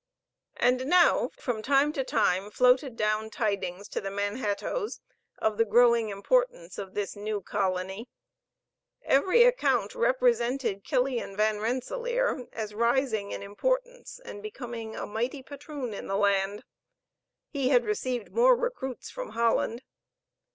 And now, from time to time, floated down tidings to the Manhattoes of the growing importance of this new colony. Every account represented Killian Van Rensellaer as rising in importance and becoming a mighty patroon in the land. He had received more recruits from Holland.